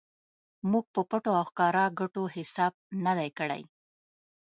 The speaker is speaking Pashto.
موږ په پټو او ښکاره ګټو حساب نه دی کړی.